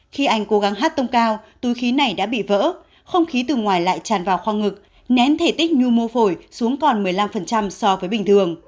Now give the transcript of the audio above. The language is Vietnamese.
khi anh cố gắng hát tông cao túi khí này đã bị vỡ không khí từ ngoài lại tràn vào khoang ngực nén thể tích nhu mô phổi xuống còn một mươi năm so với bình thường